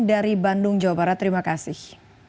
dari bandung jawa barat terima kasih